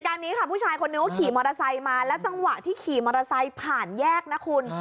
นี้ค่ะผู้ชายคนนึงเขาขี่มอเตอร์ไซค์มาแล้วจังหวะที่ขี่มอเตอร์ไซค์ผ่านแยกนะคุณ